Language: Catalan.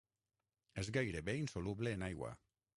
És gairebé insoluble en aigua.